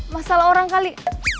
masalah orang kali